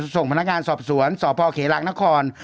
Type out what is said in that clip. ส่งพนักงานสอบสวนสพเขลางนคร